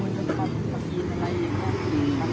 ตอนนี้กำหนังไปคุยของผู้สาวว่ามีคนละตบ